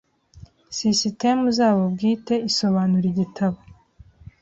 sisitemu zabo bwite isobanura igitabo